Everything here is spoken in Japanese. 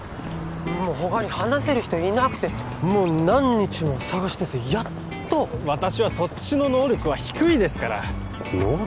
他に話せる人いなくてもう何日も探しててやっと私はそっちの能力は低いですから能力？